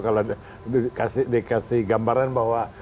kalau dikasih gambaran bahwa